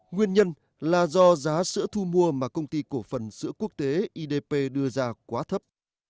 nguyên nhân là do giá sữa thu mua mà công ty cổ phần sữa quốc tế idp đưa ra quá thấp